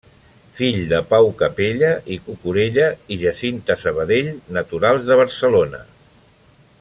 Fill de Pau Capella i Cucurella i Jacinta Sabadell, naturals de Barcelona.